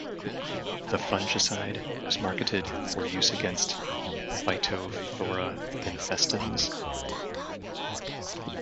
The fungicide was marketed for use against "Phytophthora infestans".